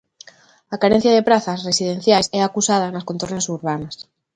A carencia de prazas residenciais é acusada nas contornas urbanas.